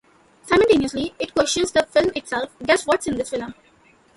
Simultaneously, it questions the film itself, guess what's in this film.